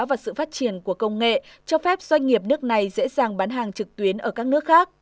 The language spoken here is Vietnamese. và sự phát triển của công nghệ cho phép doanh nghiệp nước này dễ dàng bán hàng trực tuyến ở các nước khác